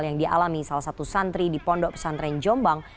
yang dialami salah satu santri di pondok pesantren jombang